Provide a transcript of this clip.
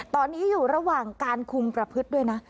ตอนนี้อยู่ระหว่างการคุมประพฤติด้วยนะ